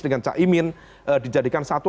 dengan cak imin dijadikan satu